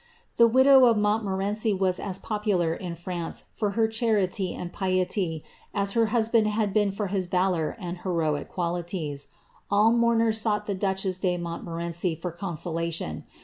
The widow of Montmorenci was as popular in France for her charity and piety, as her husband had been for his valour and heroic qualitioL All mourners sought the duchess de Montmorenci for consolation.